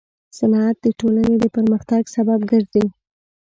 صنعت د ټولنې د پرمختګ سبب ګرځي.